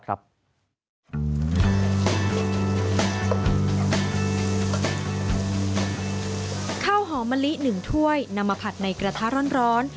ข้าวหอมมะลิ๑ถ้วยนำมาผัดในกระทะร้อน